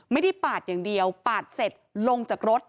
ปาดอย่างเดียวปาดเสร็จลงจากรถ